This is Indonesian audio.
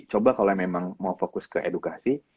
coba kalo emang mau fokus ke edukasi